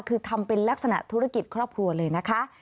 คือทำเป็นลักษณะธุรกิจครอบครัวเลยนะคะ